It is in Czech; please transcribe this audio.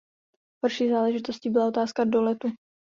Horší záležitostí byla otázka doletu.